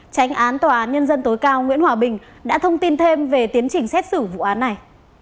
tránh án tòa án nhân dân tối cao nguyễn hòa bình đã thông tin thêm về tiến trình xét xử vụ án này